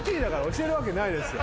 教えるわけないですよ。